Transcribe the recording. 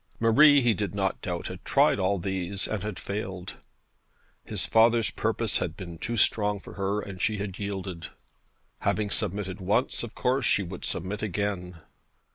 Marie, he did not doubt, had tried all these, and had failed. His father's purpose had been too strong for her, and she had yielded. Having submitted once, of course she would submit again.